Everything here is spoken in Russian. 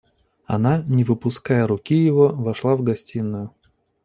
Она, не выпуская руки его, вошла в гостиную.